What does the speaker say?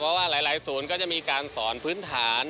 เพราะว่าหลายศูนย์ก็จะมีการสอนพื้นฐาน